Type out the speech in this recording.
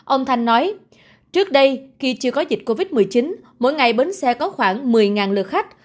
ông thanh nói trước đây khi chưa có dịch covid một mươi chín mỗi ngày bến xe có khoảng một mươi lượt khách